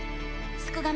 すくがミ